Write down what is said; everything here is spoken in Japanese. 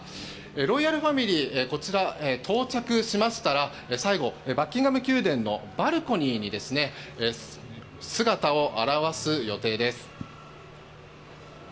ロイヤルファミリーこちら、到着しましたら最後、バッキンガム宮殿のバルコニーに姿を現す予定です。